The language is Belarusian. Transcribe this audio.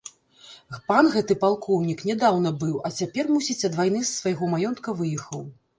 Пан гэты палкоўнік нядаўна быў, а цяпер, мусіць, ад вайны з свайго маёнтка выехаў.